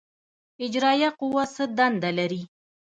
اجرائیه قوه څه دنده لري؟